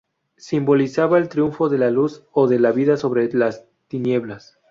Simbolizaba el triunfo de la luz o de la vida sobre las tinieblas.